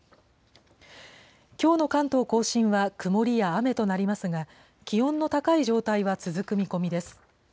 きょうの関東甲信は曇りや雨となりますが、気温の高い状態は続く見込みです。